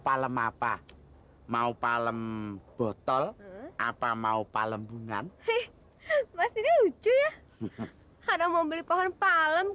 palem apa mau palem botol apa mau palem bungan hehehe mas ini lucu ya ada mau beli pohon palem